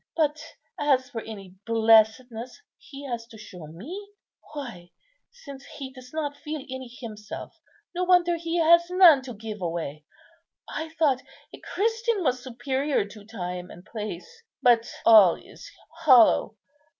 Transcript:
But as for any blessedness he has to show me, why, since he does not feel any himself, no wonder he has none to give away. I thought a Christian was superior to time and place; but all is hollow.